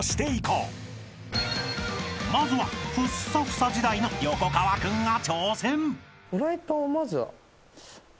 ［まずはふっさふさ時代の横川君が挑戦］